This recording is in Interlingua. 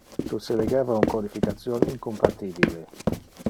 Tu seligeva un codification incompatibile.